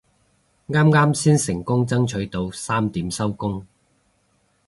啱啱先成功爭取到三點收工